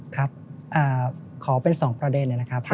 ครับขอเป็น๒ประเด็นนะครับ